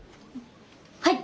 はい！